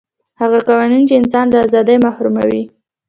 هغه قوانین چې انسان له ازادۍ محروموي.